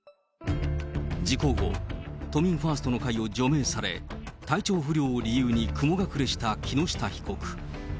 事故後、都民ファーストの会を除名され、体調不良を理由に雲隠れした木下被告。